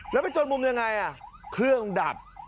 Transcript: แล้วไปจนมุมยังไงเครื่องดับ